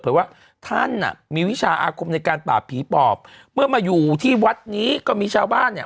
ว่าท่านอ่ะมีวิชาอาคมในการปราบผีปอบเมื่อมาอยู่ที่วัดนี้ก็มีชาวบ้านเนี่ย